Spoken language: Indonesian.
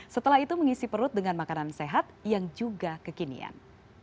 setelah itu mengisi perut dengan makanan sehat yang juga kekinian